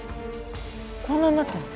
こんなになってるの？